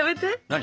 何？